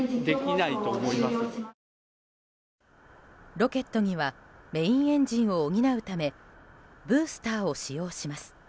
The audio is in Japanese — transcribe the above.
ロケットにはメインエンジンを補うためブースターを使用します。